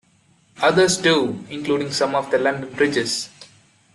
Others do, including some of the London bridges.